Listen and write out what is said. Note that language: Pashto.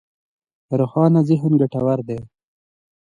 روښانه ذهن ګټور دی.